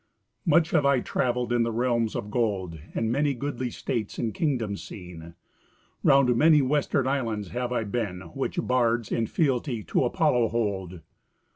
Much have I travell'd in the realms of gold And many goodly states and kingdoms seen; Round many western islands have I been Which bards in fealty to Apollo hold.